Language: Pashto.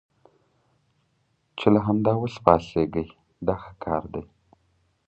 چې له همدا اوس پاڅېږئ دا ښه کار دی.